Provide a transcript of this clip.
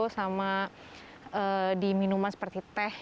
sama diminuman seperti teh